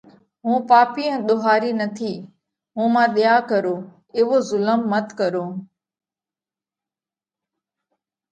هُون پاپِي ان ۮوهارِي نٿِي۔ مُون مانه ۮئيا ڪرو۔ ايوو ظُلم مت ڪرو،